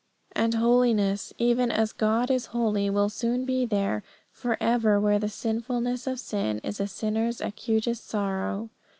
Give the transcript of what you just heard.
And holiness, even as God is holy, will soon be there for ever where the sinfulness of sin is a sinner's acutest sorrow.